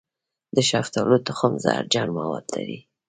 د شفتالو تخم زهرجن مواد لري.